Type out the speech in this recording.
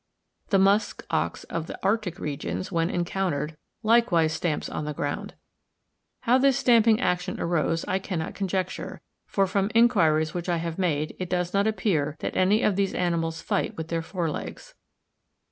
The musk ox of the Arctic regions, when encountered, likewise stamps on the ground. How this stamping action arose I cannot conjecture; for from inquiries which I have made it does not appear that any of these animals fight with their fore legs.